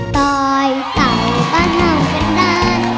ต่อยเต่าบ้านห้องเป็นดาน